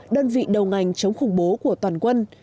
đơn vị đầu ngành chống khủng bố của toàn quân